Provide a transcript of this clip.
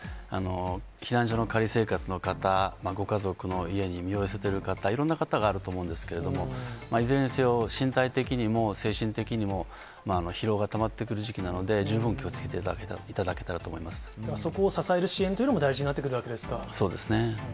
避難所の仮生活の方、ご家族の家に身を寄せている方、いろんな方があると思うんですけれども、いずれにせよ、身体的にも精神的にも、疲労がたまってくる時期なので、十分気をつけていただけたらと思そこを支える支援というのもそうですね。